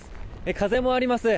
風もあります。